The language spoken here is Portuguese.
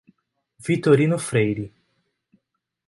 Vitorino Freire